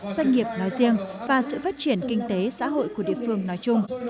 doanh nghiệp nói riêng và sự phát triển kinh tế xã hội của địa phương nói chung